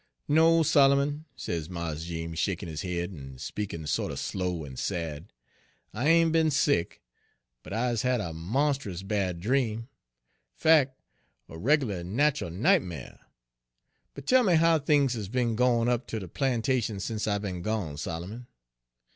" 'No, Solomon,' sez Mars Jeems, shakin' his head, en speakin' sorter slow en sad, 'I ain' be'n sick, but I's had a monst'us bad dream, fac', a reg'lar, nach'ul nightmare. But tell me how things has be'n gwine on up ter de plantation sence I be'n gone, Solomon.'